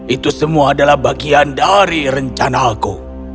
itu semua adalah bagian dari rencanaku